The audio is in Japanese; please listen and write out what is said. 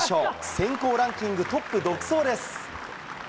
選考ランキングトップ独走です。